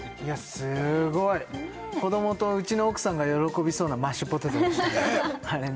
すごい子どもとうちの奥さんが喜びそうなマッシュポテトでしたね